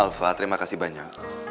alva terima kasih banyak